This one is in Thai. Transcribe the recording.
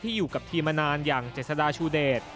อยู่กับทีมมานานอย่างเจษฎาชูเดช